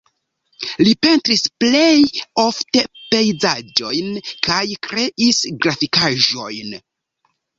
Li pentris plej ofte pejzaĝojn kaj kreis grafikaĵojn.